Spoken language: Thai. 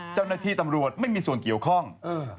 เจ้าหน้าที่ตำรวจไม่มีส่วนเกี่ยวข้อง